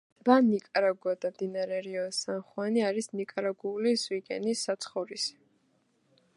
ტბა ნიკარაგუა და მდინარე რიო სან-ხუანი არის ნიკარაგუული ზვიგენის საცხოვრისი.